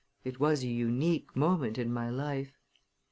It was a unique moment in my life!